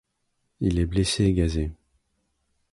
Il est blessé et gazé.